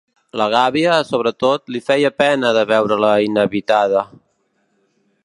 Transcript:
La gàbia, sobretot, li feia pena de veure-la inhabitada